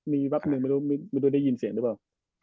ไม่รู้จะได้ยินเสียงหรือเปล่า